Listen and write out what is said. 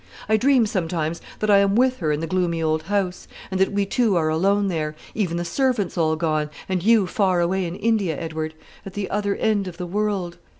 I dream sometimes that I am with her in the gloomy old house, and that we two are alone there, even the servants all gone, and you far away in India, Edward, at the other end of the world."